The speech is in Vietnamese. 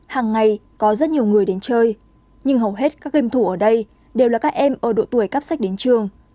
hàng ngày có rất nhiều người đến chơi nhưng hầu hết các game thủ ở đây đều là các em ở độ tuổi cắp sách đến trường